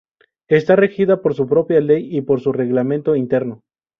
Está regida por su propia ley y por su reglamento interno.